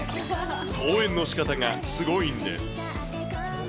登園のしかたがすごいんです。